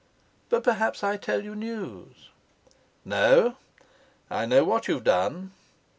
But perhaps I tell you news?" "No, I know what you've done."